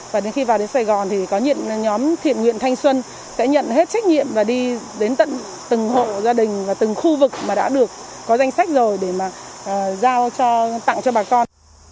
và đến khi vào đến sài gòn thì nhóm thiện nguyện thanh xuân sẽ nhận hết trách nhiệm và đi đến tận từng hộ gia đình và từng khu vực mà đã được có danh sách rồi để mà giao cho tặng cho bà con